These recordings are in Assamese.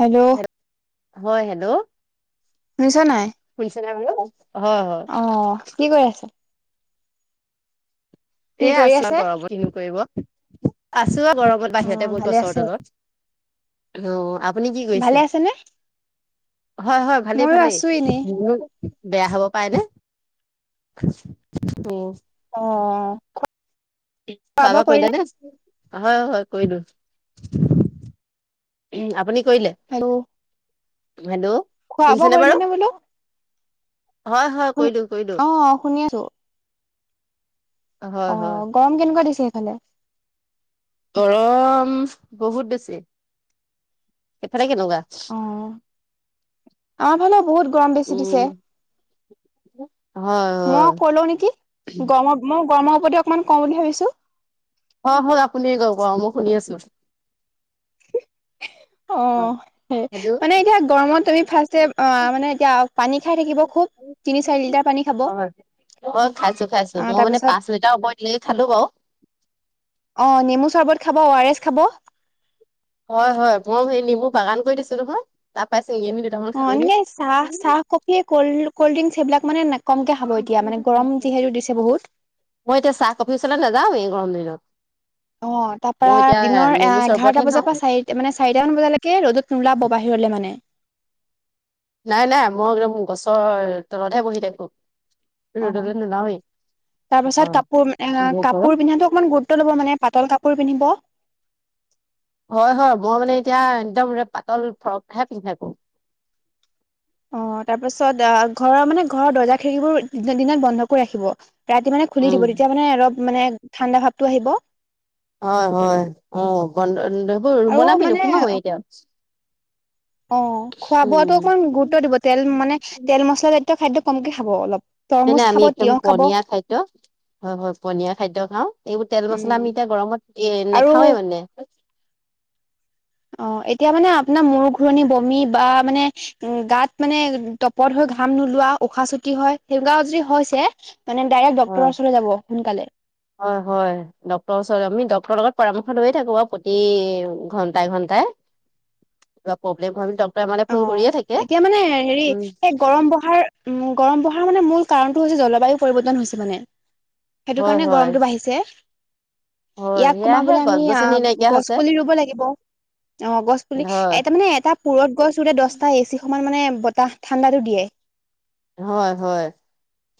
হেল্ল' হয় হেল্ল'। শুনিছা নাই? [unintelligible] অ কি কৰি আছ? কি এ কৰি আছো আছে আৰু গৰমত কিনো কৰিব আছো আৰু গৰমত অ বাহিৰতে বৈ ভালে গছৰ আছে তলত অ আপুনি কি কৰিছে ভালে আছে নে? হয় হয় ভালেই ময়ো ভালেই। আছো এনেই বেয়া হব পাইনে উ অ খোৱা বোৱা কৰিলা নে হয় হয় কৰিলো। উম আপুনি কৰিলে হেল্ল' হেল্ল' খোৱা বোৱা শুনিছেনে বাৰু কৰিলে নে বোলো। হয় হয় কৰি দিও কৰি দিও অ শুনি আছো অ গৰম কেনেকোৱা দিছে এইফালে গৰম বহুত বেছি সিফালে। কেনকা আমাৰফালেও বহুত গৰম বেছি উম দিছে। হয় মই হয় কলো নেকি গম মই। কৰ্মৰ প্ৰতি অকণমান কম বুলি ভাবিছো। হয় হয় আপুনি কক অ মই শুনি আছো। অ হয় সেই মানে হেল্ল' এতিয়া গৰমত তুমি। ফাৰ্ষ্টে অ মানে এতিয়া পানী খাই থাকিব খুব তিনি চাৰি হয়, লিটাৰ পানী খাব। অ খাইছো খাইছো আহ মই মানে তাৰপিছত পাঁচ মিটাৰ ওপৰলৈকে খালো বাও। অ নেমু চৰ্বত খাব অৱাৰেছ খাব। হয় হয় মই সেই নেমু বাগান কৰি দিছো নহয় তাৰ পাইছ। অ এনেকে চাহ চাহ কফি কল কল্ড ড্ৰিংক সেইবিলাক মানে না। বহুত মই এতিয়া চাহ কফি ওচলে নাযাওৱে এই গম দিন। ত অ তাৰপা দিনৰ চৰবতহে এঘাৰটা খাওঁ। বজাৰ পৰা চাৰি মানে চাৰিটা মান বজালৈকে ৰ'দত নোলাব বাহিৰ। লে মানে নাই নাই মই একদম গছৰ তলতহে বহি থাকো। অ ৰদলে নোলাওৱে। তাৰ পাছত কাপোৰ এ গৰম। কাপোৰ পিন্ধাটো অকণমান গুৰুত্ব লব মানে পাতল কাপোৰ পিন্ধিব। হয় হয় মই মানে এতিয়া একদম পাতল ফ্ৰকহে পিন্ধি থাকো। অ তাৰপাছত আহ ঘৰৰ মানে ঘৰৰ দৰ্জা খিৰিকিবোৰ দি দিনত বন্ধ কৰি ৰাখিব। ৰাতি মানে খুলি উম দিব তেতিয়া মানে অলপ মানে ঠাণ্ডা ভাৱটো আহিব। হয় হয় অ গধ সেইবোৰ আৰু মনামি নোসোমাও মানে হয় এতিয়া। অ খোৱা বোৱাটো উম। অকণমান গুৰুত্ব দিব তেল মানে তেল মছলাজাতীয় খাদ্য কমকে খাব অলপ। মনে তৰমুজ আমি খাব একদম তিয়হ খাব পনিয়া খাদ্য। হয় হয় পনীয়াৰ খাদ্য খাও এইবোৰ তেল মছলা উম আমি এতিয়া গৰমত এ আৰু নাখাওৱে মানে। অ এতিয়া মানে আপোনাৰ মূৰ ঘূৰণি বমি বা মানে গাত মানে তপত হৈ। ঘাম নোলোৱা উশাহ চুটি হয় সেইবিলাক যদি হৈছে মানে ডাইৰেক্ট অ ডক্তৰৰ ওচৰলৈ যাব সোনকালে হয় হয় ডক্তৰ ওচৰত আমি ডক্ত। ৰ লগত পৰামৰ্শ লৈয়ে থাকো আও প্ৰতি ঘন্টাই ঘন্টাই। কিবা প্ৰব্লেম হয় মানে ড। অ এতিয়া মানে হেৰি উম সেই গৰম বহাৰ উ গৰম বঢ়াৰ মানে মূল কাৰণ হৈছে জলবায়ু পৰিৱৰ্তন হৈছে মানে সেইটো হয় কাৰণে হয় গৰমটো বাঢ়িছে হয় ইয়াক সেয়াহে কমাবলে গছ আমি আ গছনি নাইকিয়া গছ হৈছে পুলি ৰুব লাগিব অ গছ পুলি হয় এটা মানে এটা পুৰঠৈ দহটা এচি সমান মানে বতাহ ঠাণ্ডাটো দিয়ে। হয় হয়।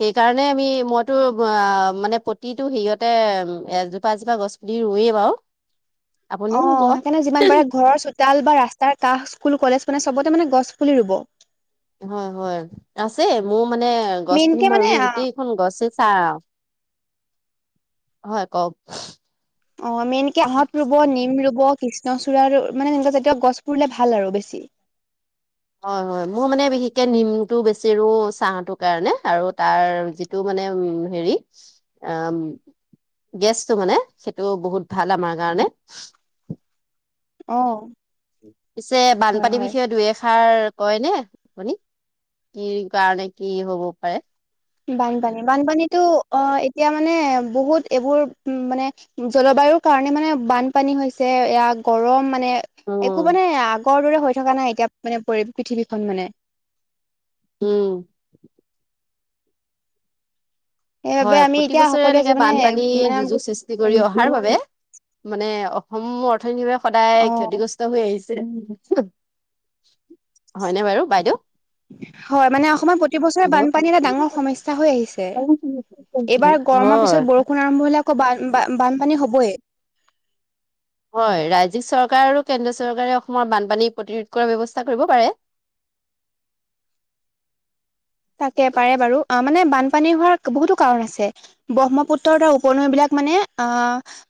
সেইকাৰণে আমি মইতো আ মানে প্ৰতিটো হেৰিয়তে এজোপা এজোপা গছ পুলি। ৰুৱেই বাওঁ। অ সেইকাৰণে যিমান পাৰে ঘৰৰ চোতাল বা ৰাস্তাৰ কাষ স্কুল কলেজ। মানে চবতে মানে গছ পুলি ৰুব। হয় হয় আছে মোৰ মানে গছ পিনি মেইনকে মই মানে ৰুই গোটেইখন গছেই চা আওঁ। হয় কওক। অ মেইনকে আহত ৰুব নিম ৰুব। ব কৃষ্ণচূড়াৰ মানে এ জাতীয় গছবোৰ ল'লে ভাল আও বেছি। হয় হয় মোৰ মানে বিশেষকে নিমটো বেছি ৰো চাহটো কাৰণে আৰু তাৰ যিটো মানে। মানে উ হেৰি অ। গেছটো মানে সেইটো বহুত ভাল আমাৰ কাৰণে। অ পিছে হয় বানপানীৰ হয় বিষয়ে দুই এষাৰ। কয় ন আপুনি কি কাৰণে কি হ'ব পাৰে। বানপানী বানপানীতো অ এতিয়া মানে বহুত এইবোৰ মানে জলবায়ু কাৰণে মানে বানপানী হৈছে এয়া গৰম মানে একো উম মানে কৰ দৰে হৈ থকা নাই এতিয়া মানে পৰি পৃথিৱীখন মানে উম সেইবাবে হয় আমি প্ৰতি এতিয়া বছৰে সকলোৱে এনেকে যে মানে বানপানী মানে দুজ সৃষ্টি কৰি অহাৰ বাবে মানে সমূ অৰ্থনীতিৰভাৱে অ সদায় ক্ষতিগ্ৰস্ত হৈ আহিছে। হয়নে বাৰু বাইদেউ। হয় মানে অসমত প্ৰতিবছৰে হেল্ল' বানপানী এটা ডাঙৰ সমস্যা হৈ আহিছে। এইবাৰ গৰমৰ হয় পিছত বৰষুণ আৰম্ভ হলে আকৌ বা‌ন বান বানপানী হ'বই হয় ৰাজ্যিক চৰকাৰ আৰু কেন্দ্ৰীয় চৰকাৰে অসমৰ বানপানী প্ৰতিৰোধ কৰাৰ ব্যৱস্থা কৰিব পাৰে। তাকে পাৰে বাৰু আহ মানে বান পানী হোৱাৰ বহুতো কাৰণ আছে ব্ৰহ্মপুত্ৰৰ ত উ-পনৈ বিলাক মানে আ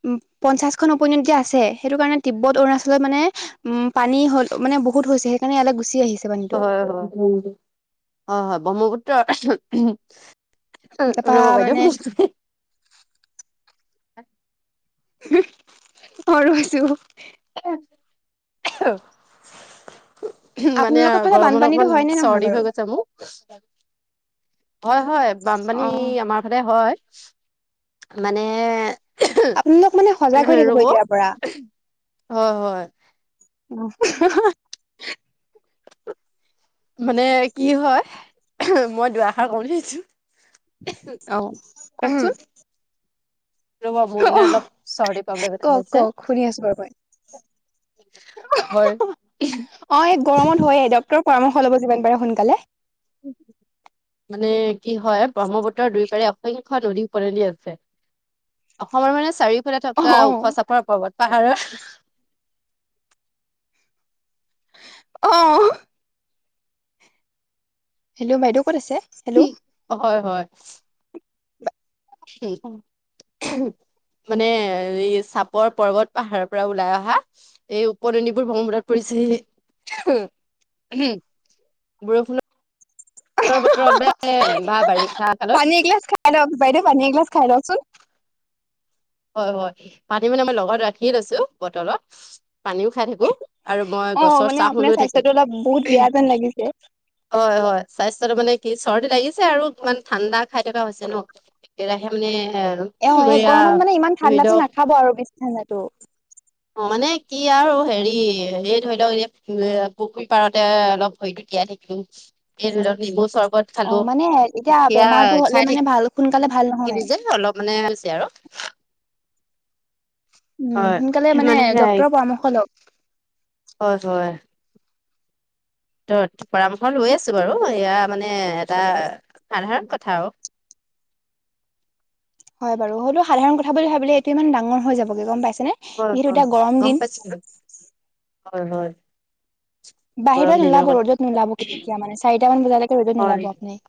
উম পাঁচখন উপনদী আছে সেইটো কাৰণে তিব্বত অৰুণাচলত মানে উম পানী হল মানে বহুত হৈছে সেইকাৰণে গুচি আহি হয় হয় হয় হয় ব্ৰহ্মপুত্ৰ তাপা ৰব বাইদেউ মানে ম হুহ অ ৰৈছো আহ মানে আপোনালোকৰ ফালে গৰমত বানপানীতো অকমান হয় নে নহয় চৰ্দি বাৰু? হৈ গৈছে মোৰ। হয় হয় বানপানী অ আমাৰ ফালে হয়। মানে আপোনালোক মানে সজাগ ৰব হৈ থাকিব এতিয়াৰ পৰা। হয় হয় অ হা হা মানে কি হয় মই দুআষাৰ কম বুলি ভাবিছো। আহ কওকচোন। ৰ'ব মোৰ অ মানে অলপ চৰ্দি প্ৰব্লেম এটা কওক হৈছে কওক শুনি আছো বাৰু মই হয় অ এক গৰমত হৈয়ে ডক্তৰ পৰামৰ্শ ল'ব যিমান পাৰে সোনকালে মানে কি হয় ব্ৰহ্মপুত্ৰ দুই পাৰে সংখ্য নদী উপ নদী আছে অসমৰ মানে চাৰিওফালে অ থকা ওখ চাফৰ পৰ্বত পাহাৰৰ আহ হেল্ল' বাইদেউ ক'ত আছে? হেল্ল' হয় হয়। উ অ মানে চাপৰ পৰ্বত পাহাৰৰ পৰা ওলাই অহা এই উপনদীবোৰ ব্ৰহ্মপুত পৰিছে। সে বৰষুণৰ বতৰত বা বা বাৰিষা কালত পানী এগিলাচ খাই লক বাইদেউ পানী এগিলাচ খাই লওকচোন। হয় হয় পাতি মানে মই লগত ৰাখি লৈছো বটলত পানীও খাই থাকো আৰু মই অ গছৰ মানে চাহহো আপোনাৰ লৈ থাকো। স্বাস্থ্যটো অলপ বহুত বেয়া যেন লাগিছে হয় হয় স্বাস্থ্যটো মানে কি চৰ্দি লাগিছে আৰু ইমান ঠাণ্ডা খাই থকা হৈছে ন একেৰাহে মানে সে আৰু অ এই বেয়া গৰমত মানে ইমান ঠাণ্ডাটো নাখাব আৰু বেছি ঠাণ্ডাতো অ মানে কি আৰু হেৰি এই ধৰি লওক এনে পুখুৰী পাৰতে অলপ হৈ গ পিয়াই থাকিলো এই অলপ নিবু চৰ্বত অ খালো মানে এতিয়া তেতিয়া বেমাৰটো হলে খাই থাকি মানে ভাল সোনকালে ভাল থিবি নহয় যে অলপ মানে হৈছে আৰু। উম সোনকালে মানে ডক্তৰৰ পৰামৰ্শ লওক। হয় হয়। ত পৰামৰ্শ লৈ আছো বাৰু এয়া মানে এটা সাধাৰণ কথা আৰু। [inaudible] হয় বাৰু হয়তো সাধাৰণ কথা বুলি ভাবিলে এইটো ইমান ডাঙৰ হৈ যাবগে গম পাইছা। হয় যিহেতু হয় এতিয়া গৰম গম দিন। পাইছো হয় হয়। গৰম বাহিৰত দিনৰ নোলাব কথা ৰ'দত নোলাব কেতিয়া মানে চাৰিট মান বজালৈকে ৰ'দত হয় নোলাব আপুনি।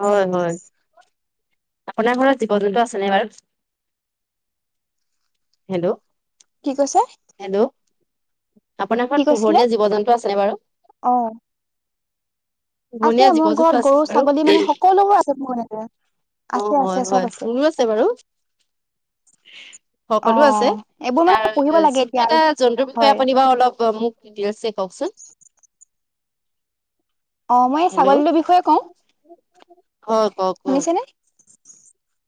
হয় হয়। আপোনাৰ ঘৰত জীৱ জন্তু আছেনে বাৰু? হেল্ল' কি কৈছে? হেল্ল' আপোনাৰ কি ঘৰত কৈছিলে? পোহনীয়া জীৱ জন্তু আছেনে বাৰু? অ আছে পোহনীয়া জীৱ মোৰ জন্তু ঘৰত আছে গৰু বাৰু ছাগলী মানে সকলোবোৰ আছে মোৰ ইয়াতে। অ আছে হয় আছে হয় চব আছে মোৰো বাৰু অ। সকলো আছে এইবোৰ মানে তাৰ পুহিব লাগে এতিয়া যিকোনো আৰু এটা জন্তুৰ বিষয়ে হয় আপুনি বাৰু অলপ মোক ডিটেইলচছে কওকচোন? অ মই হেল্ল' ছাগলীৰ বিষয়ে কওঁ। হয় কওক কওক শুনিছেনে?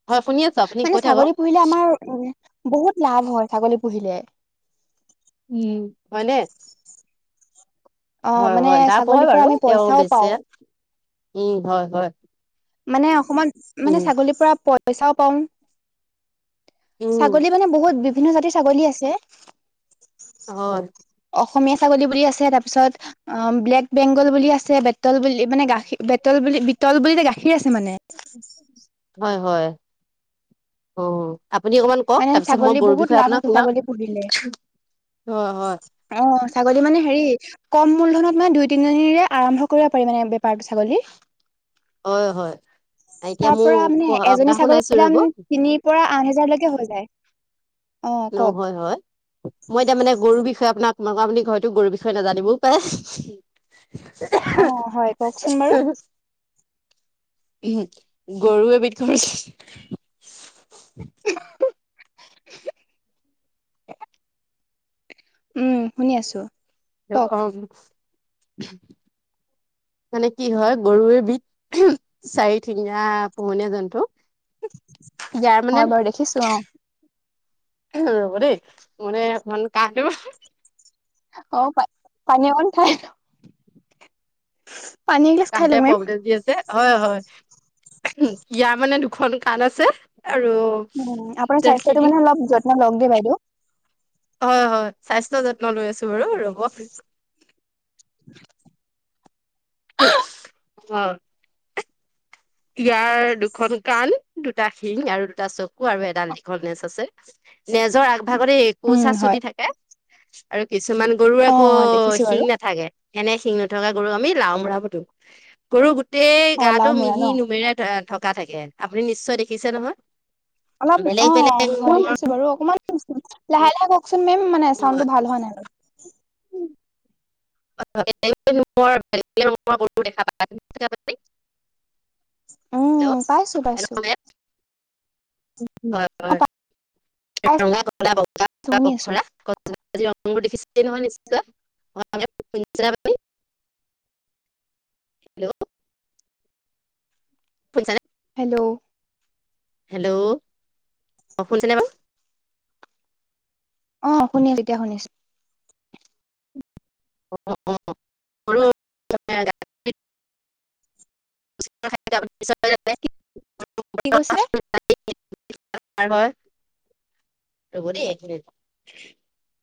হয় শুনি আছো আপুনি মানে কৈ ছাগলী থাকক পুহিলে আমাৰ উ বহুত লাভ হয় ছাগলী পুহিলে। উম মানে অ হয় মানে হয় ডাপ হয় ছাগলীৰ পৰা বাৰু আমি তেওঁ পইচাও বেচে পাওঁ উম হয় হয়। মানে অসমত মানে উম ছাগলীৰ পৰা পইচাও পাও। উম ছাগলী মানে বহুত বিভিন্ন জাতিৰ ছাগলী আছে। অ। অসমীয়া ছাগলী বুলি আছে তাৰপিছত ব্লেক বেংগল বুলি আছে বেতল বুলি মানে গাখীৰ বেতল বুলি বিতল বুলি গাখীৰ আছে মানে। হয় হয় অ। আপুনি অকমান কওক মানে তাৰপিছত মই ছাগলী গৰুৰ বহুত বিষয়ে লাভ আপোনাক আছে শুনাম। ছাগলী পুহিলে অ হয়। অ ছাগলী মানে হেৰি কম মূলধনত মানে দুই তিনিজনীৰে আৰম্ভ কৰিব পাৰি মানে বেপাৰ ছাগলী। হয় হয়। এতিয়া তাৰ মোৰ পৰা মানে পঢ়া এজনী আপোনাক শুনাইছো ছাগলীৰ ৰ'ব দাম তিনিৰ পৰা আঠ হেজাৰলৈকে হৈ যায়। অ ন কওক হয় হয় মই এতিয়া মানে গৰুৰ বিষয়ে আপোনাক মই ক আপুনি ঘৰটো গৰুৰ বিষয়ে নাজানিবও পাৰে? অ হয় কওকচোন বাৰু। গৰু এবিধ ঘৰচ- [unintelligible] উম শুনি আছো। কওক অ [inaudible] মানে কি হয় গৰুৰবিধ চাৰি ঠেঙীয়া পোহনীয়া জন্তু। ইয়াৰ [unintelligible] মানে হয় বাৰু দেখিছো অ। ৰব দেই মানে অকমান কাঁহটো [unintelligible] অ প পানী অকণ খাই লক [unintelligible] তাহতে প্ৰব্লেম দি আছে হয় হয়। ইয়াৰ মানে দুখন কাণ আছে। আৰু উ আপোনাৰ সি স্বাস্থ্যটো মানে অলপ যত্ন লওক দেই বাইদেউ। হয় হয় স্বাস্থ্য যত্ন লৈ আছো বাৰু ৰব। [inaudible] অ [inaudible] ইয়াৰ দুখন কাণ দুটা শিং আৰু দুটা চকু আৰু এডাল দীঘল নেজ আছে। নেজৰ আগভাগতে উম একোচা হয় [unintelligible] থাকে আৰু কি কিছুমান গৰুৰ আকৌ অ', দেখিছো শিং বাৰু নাথাকে এনে শিং নথকা গৰু আমি লাওমোৰা বতো গৰু গোটেই অ', গাটো লাওমোৰা ন মিহি নুমেৰে থকা [unintelligible] থাকে আপুনি নিশ্চয় দেখিছে নহয় অলপ বেলেগ অ অ বেলেগ হয় দেখিছো বাৰু অকমান লাহে লাহে কওকচোন মেম মে চাউণ্ডো ভাল হয় নাই [unintelligible] উম পাইছোঁ পাইছোঁ। পাইছো শুনি আছো [unintelligible] [unintelligible] হেল্ল' হেল্ল' হেল্ল' অ শুনিছেনে বাৰু? অ শুনিছ এতিয়া শুনিছো। [unintelligible] [unintelligible] কি কৈছিলে? [unintelligible]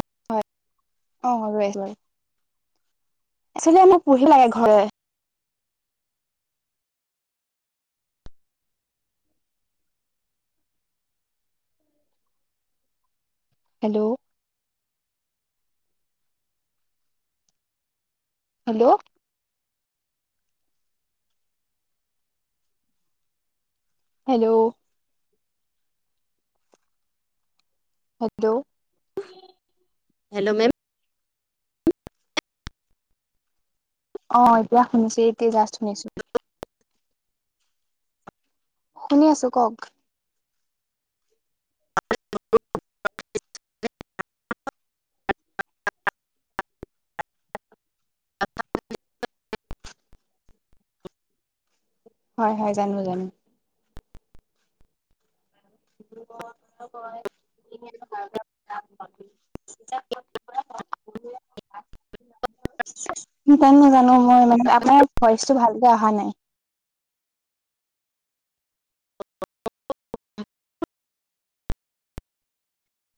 [unintelligible] একচোৱেলি আমাৰ পঢ়ি লাগে ঘৰে hello hello hello hello hello ma'am অ এতিয়া শুনিছো এইতি জাষ্ট শুনিছোঁ। শুনি আছো কওক? [unintelligible] হয় হয় জানো জানো। [unintelligible] [unintelligible] স জান ন জানো মই মানে আপোনাৰ ভইচটো ভালকে অহা নাই [unintelligible]